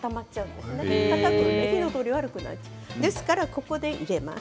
ですからここで入れます。